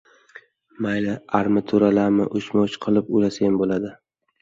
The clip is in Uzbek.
Mayli, armaturalami uchma-uch qilib ulasayam bo‘ladi.